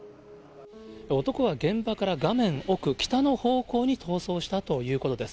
男は現場から画面奥、北の方向に逃走したということです。